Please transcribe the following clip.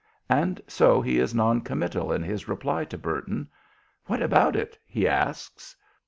And so he is non committal in his reply to Burton. "What about it?" he asks.